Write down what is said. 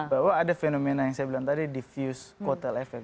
bahwa ada fenomena yang saya bilang tadi diffuse kuotalefek